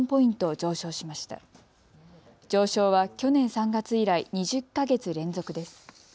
上昇は去年３月以来、２０か月連続です。